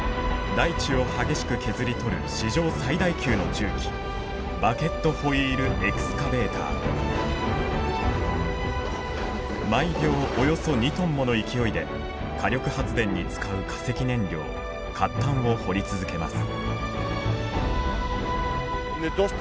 大地を激しく削り取る史上最大級の重機毎秒およそ２トンもの勢いで火力発電に使う化石燃料褐炭を掘り続けます。